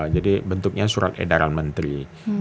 jadi bentuknya surat edaran menteri